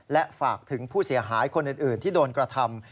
และฝากถึงผู้เสียหายคนอื่นที่โดนกระทำ